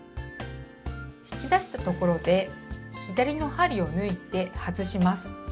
引き出したところで左の針を抜いて外します。